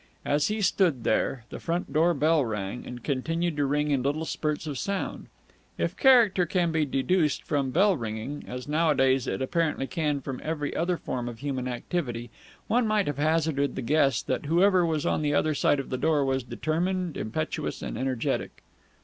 As he stood there, the front door bell rang, and continued to ring in little spurts of sound. If character can be deduced from bell ringing, as nowadays it apparently can be from every other form of human activity, one might have hazarded the guess that whoever was on the other side of the door was determined, impetuous, and energetic.